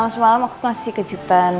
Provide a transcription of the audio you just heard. semalam aku kasih kejutan